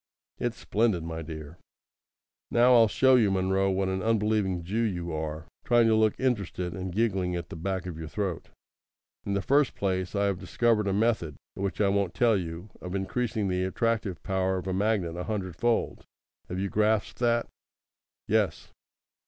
"It's splendid, my dear." "Now I'll show you, Munro; what an unbelieving Jew you are, trying to look interested, and giggling at the back of your throat! In the first place, I have discovered a method which I won't tell you of increasing the attractive power of a magnet a hundred fold. Have you grasped that?" "Yes."